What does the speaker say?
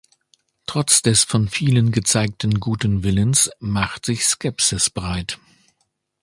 Trotz des von vielen gezeigten guten Willens macht sich Skepsis breit.